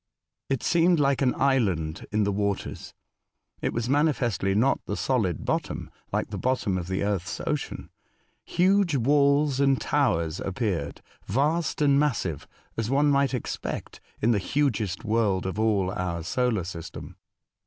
It seemed like an island in the waters. It was manifestly not the solid bottom, like the bottom of the earth's ocean. Huge walls and towers ap peared, vast and massive, as one might expect in the hugest world of all our solar system.